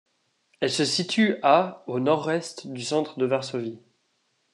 Elle se situe à au nord-est du centre de Varsovie.